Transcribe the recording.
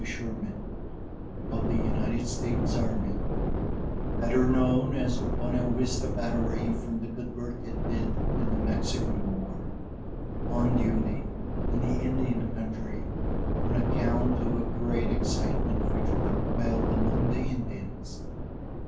Sherman of the United States Army (better known as the Buena Vista Battery, from the good work it did in the Mexican war) on duty in the Indian country, on account of a great excitement which prevailed among the Indians.